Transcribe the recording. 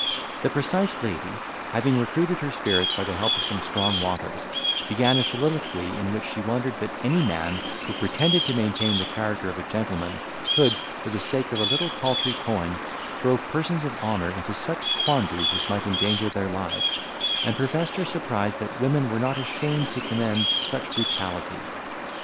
The precise lady, having recruited her spirits by the help of some strong waters, began a soliloquy, in which she wondered that any man, who pretended to maintain the character of a gentleman, could, for the sake of a little paltry coin, throw persons of honour into such quandaries as might endanger their lives; and professed her surprise that women were not ashamed to commend such brutality.